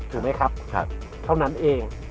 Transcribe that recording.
เท่านั้นเอง